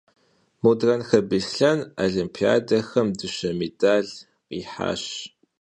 Mudrenxe Bêslhen volimpiadexem dışe mêdal khihaş.